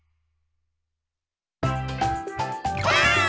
ばあっ！